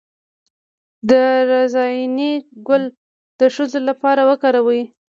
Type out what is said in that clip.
د رازیانې ګل د ښځو لپاره وکاروئ